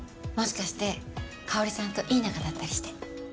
もしかして香織さんといい仲だったりして。